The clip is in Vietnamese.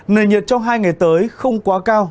nền nhiệt trong hai ngày tới không quá cao